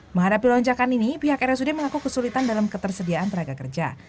menghadapi lonjakan ini pihak rsud mengaku kesulitan dalam ketersediaan tenaga kerja